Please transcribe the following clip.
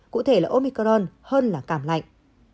cụ thể là omicron hơn là cảm lạnh